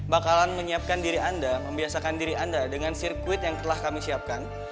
bakalan menyiapkan diri anda membiasakan diri anda dengan sirkuit yang telah kami siapkan